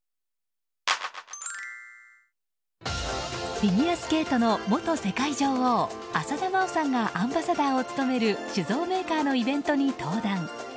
フィギュアスケートの元世界女王浅田真央さんがアンバサダーを務める酒造メーカーのイベントに登壇。